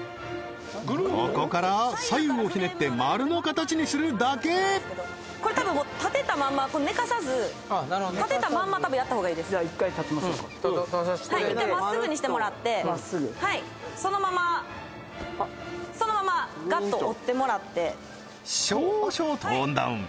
ここから左右をひねって丸の形にするだけこれ多分もう立てたまんま寝かさず立てたまんま多分やったほうがいいですじゃあ一回立ちましょうかはい一回まっすぐにしてもらってまっすぐはいそのままそのままガッと折ってもらって少々トーンダウン